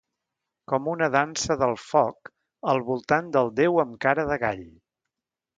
Com una dansa del foc, al voltant del déu amb cara de gall.